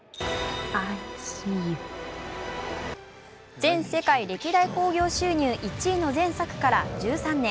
全世界歴代興行収入１位の前作から１３年。